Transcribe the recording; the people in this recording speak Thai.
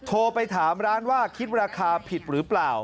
โทรไปถามร้านว่าคิดราคาผิดหรือเปล่า